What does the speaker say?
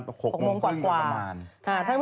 ท่านผู้ชมที่กินข้าวกินกาแฟแปรงปั่นข้าวส้วม